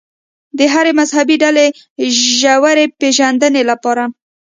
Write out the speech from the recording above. د هرې مذهبي ډلې ژورې پېژندنې لپاره.